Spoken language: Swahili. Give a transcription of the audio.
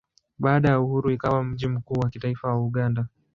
Baada ya uhuru ikawa mji mkuu wa kitaifa wa Uganda.